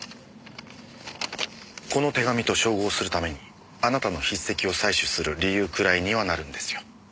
この手紙と照合するためにあなたの筆跡を採取する理由くらいにはなるんですよ。